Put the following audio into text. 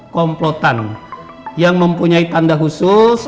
komplotan yang mempunyai tanda khusus